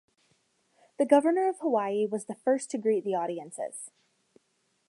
The governor of Hawaii was the first to greet the audiences.